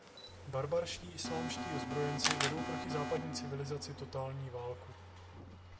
Barbarští islámští ozbrojenci vedou proti západní civilizaci totální válku.